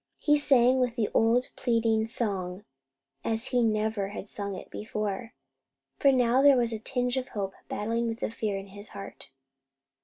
He sang the old pleading song as he never had sung it before, for now there was a tinge of hope battling with the fear in his heart.